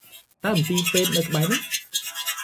តើមន្ទីពេទ្យនៅក្បែរនេះ?